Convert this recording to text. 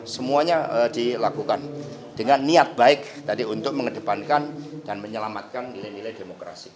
semuanya dilakukan dengan niat baik tadi untuk mengedepankan dan menyelamatkan nilai nilai demokrasi